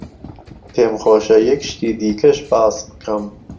پێم خۆشە یەک شتی دیکەش باس بکەم.